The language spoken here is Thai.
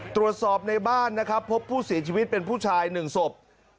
ตรวจสอบในบ้านนะครับพบผู้เสียชีวิตเป็นผู้ชาย๑ศพ